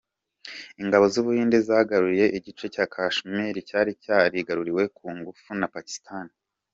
Ingabo z’ubuhinde zagaruye igice cya Kashmir cyari cyarigaruriwe ku ngufu na Pakistan.